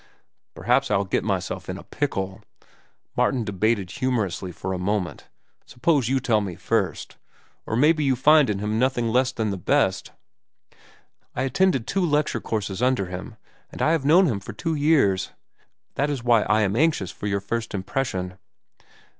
"Perhaps I'll get myself in a pickle." Martin debated humorously for a moment. "Suppose you tell me first. Or maybe you find in him nothing less than the best." "I attended two lecture courses under him, and I have known him for two years; that is why I am anxious for your first impression."